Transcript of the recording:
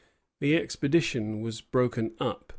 The expedition was broken up.